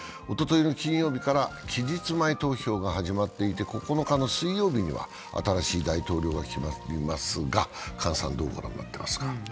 おとといの金曜日から期日前投票が始まっていて、９日の水曜日には新しい大統領が決まりますが、姜さん、どう思いますか？